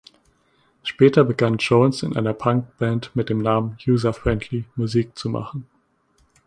Später begann Jones in einer Punkband mit dem Namen "User Friendly" Musik zu machen.